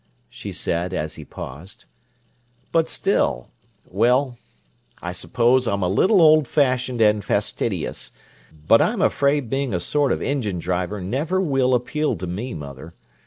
she said as he paused. "But still—well, I suppose I'm a little old fashioned and fastidious, but I'm afraid being a sort of engine driver never will appeal to me, mother.